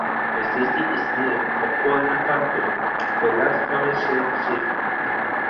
The city is named for Quanah Parker, the last Comanche chief.